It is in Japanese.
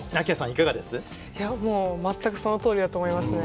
いやもう全くそのとおりだと思いますね。